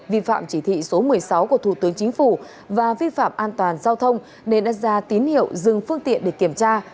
vi phạm chỉ thị số một mươi sáu của thủ tướng chính phủ và vi phạm an toàn giao thông nên đã ra tín hiệu dừng phương tiện để kiểm tra